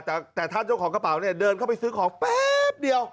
แต่ท่านเจ้าของกระเป๋าเนี่ยเดินเข้าไปซื้อของแป๊บเดียว